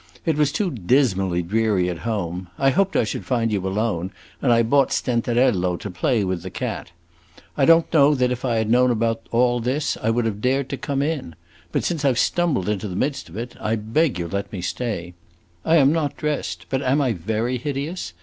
It was too dismally dreary at home. I hoped I should find you alone, and I brought Stenterello to play with the cat. I don't know that if I had known about all this I would have dared to come in; but since I 've stumbled into the midst of it, I beg you 'll let me stay. I am not dressed, but am I very hideous?